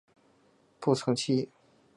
步曾槭